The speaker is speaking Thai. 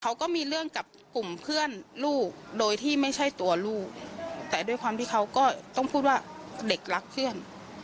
เขาก็มีเรื่องกับกลุ่มเพื่อนลูกโดยที่ไม่ใช่ตัวลูกแต่ด้วยความที่เขาก็ต้องพูดว่าเด็กรักเพื่อน